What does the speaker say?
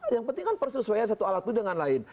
yang penting kan persesuaian satu alat itu dengan lain